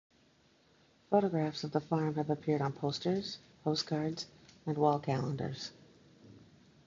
Photographs of the farm have appeared on posters, postcards and wall calendars.